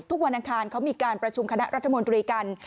วันอังคารเขามีการประชุมคณะรัฐมนตรีกัน